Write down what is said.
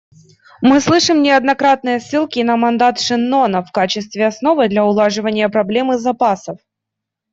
Мы слышим неоднократные ссылки на мандат Шеннона в качестве основы для улаживания проблемы запасов.